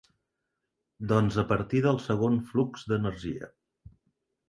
Doncs a partir del segon flux d’energia.